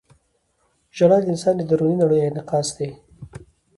• ژړا د انسان د دروني نړۍ انعکاس دی.